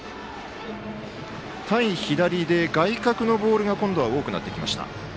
対左で、外角のボールが今度は多くなってきました。